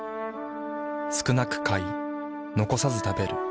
少なく買い残さず食べる。